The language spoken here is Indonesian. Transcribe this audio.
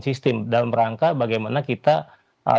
sistem dalam rangka bagaimana kita